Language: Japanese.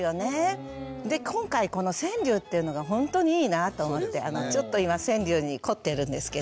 で今回この川柳っていうのがほんとにいいなと思ってちょっと今川柳に凝ってるんですけど。